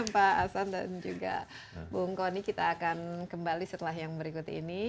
pak hasan dan juga bung kony kita akan kembali setelah yang berikut ini